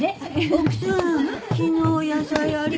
奥さん昨日野菜ありがとな。